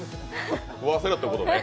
食わせろってことね？